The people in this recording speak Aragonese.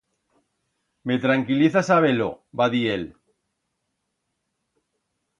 Me tranquiliza saber-lo –va dir él.